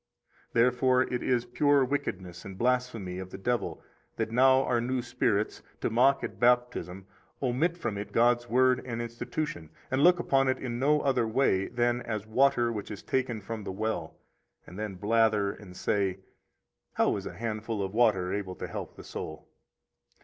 15 Therefore it is pure wickedness and blasphemy of the devil that now our new spirits, to mock at Baptism, omit from it God's Word and institution, and look upon it in no other way than as water which is taken from the well, and then blather and say: How is a handful of water to help the soul?